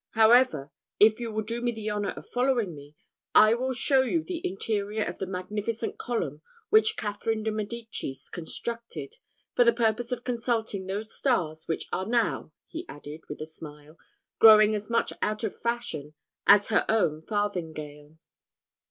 However, if you will do me the honour of following me, I will show you the interior of the magnificent column which Catherine de Medicis constructed, for the purpose of consulting those stars which are now," he added, with a smile, "growing as much out of fashion as her own farthingale."